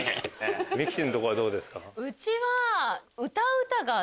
ミキティのとこはどうですか？